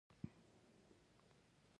سلیمان غر د تاریخ په کتابونو کې دی.